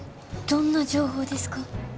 どんな情報ですか？